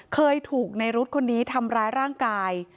เคยถูกในรุ๊ดคนนี้ทำร้ายร่างกาย